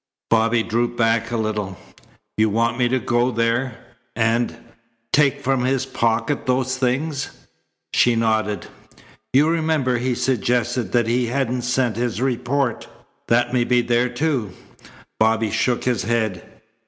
Bobby drew back a little. "You want me to go there and and take from his pocket those things?" She nodded. "You remember he suggested that he hadn't sent his report. That may be there, too." Bobby shook his head.